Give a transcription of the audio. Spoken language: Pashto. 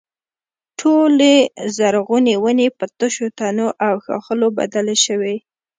ټولې زرغونې ونې په تشو تنو او ښاخلو بدلې شوې.